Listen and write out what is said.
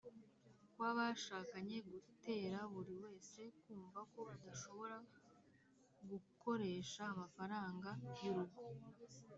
kw’abashakanye gutera buri wese kumva ko adashobora gukoresha amafaranga y’urugo